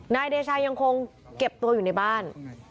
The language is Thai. นายเดชายังคงเก็บตัวอยู่ในบ้าน